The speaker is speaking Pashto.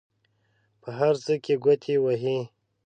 په هر څه کې ګوتې وهي.